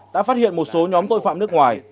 đã phát hiện một số nhóm tội phạm nước ngoài